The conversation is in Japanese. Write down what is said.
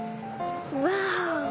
ワオ。